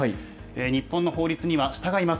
日本の法律には従います。